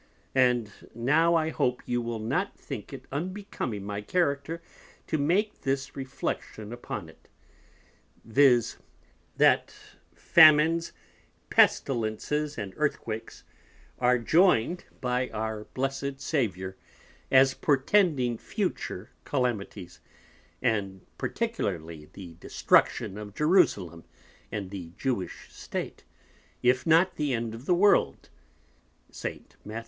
'And now I hope you will not think it unbecoming my Character to make this Reflection upon it, viz. that Famines, Pestilences and Earthquakes, are joyned by our Blessed Saviour, as portending future Calamities, and particularly the Destruction of Jerusalem and the Jewish State; if not the End of the World, St. _Matth.